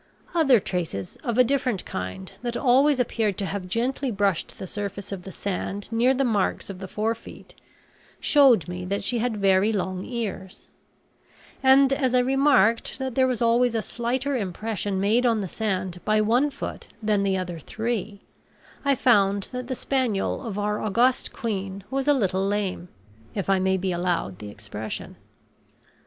Other traces of a different kind, that always appeared to have gently brushed the surface of the sand near the marks of the forefeet, showed me that she had very long ears; and as I remarked that there was always a slighter impression made on the sand by one foot than the other three, I found that the spaniel of our august queen was a little lame, if I may be allowed the expression.